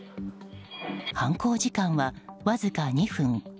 犯行時間は、わずか２分。